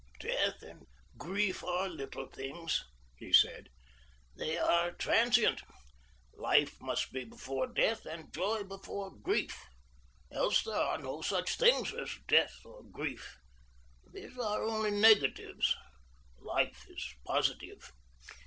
"Death and grief are little things," he said. "They are transient. Life must be before death, and joy before grief. Else there are no such things as death or grief. These are only negatives. Life is positive.